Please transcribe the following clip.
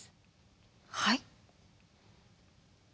はい？